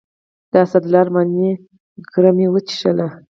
د اسدالله ارماني کره مې وڅښلې.